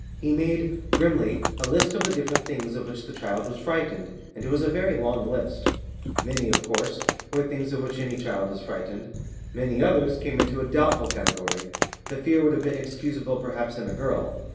He made, grimly, a list of the different things of which the child was frightened, and it was a very long list. Many, of course, were things of which any child is frightened; many others came into a doubtful category; the fear would have been excusable, perhaps, in a girl.